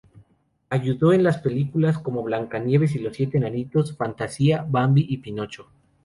Ayudó en películas como "Blancanieves y los siete enanitos, Fantasía, Bambi" y "Pinocho".